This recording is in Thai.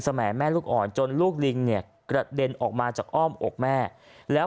แหมแม่ลูกอ่อนจนลูกลิงเนี่ยกระเด็นออกมาจากอ้อมอกแม่แล้ว